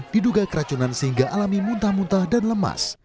diduga keracunan sehingga alami muntah muntah dan lemas